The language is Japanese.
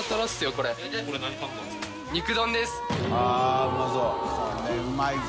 これうまいぞ。